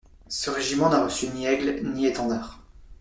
Ce régiment n'a reçu ni aigle, ni étendard.